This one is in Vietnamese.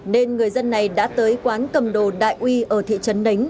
nên người dân này đã tới quán cầm đồ đại uy ở thị trấn đính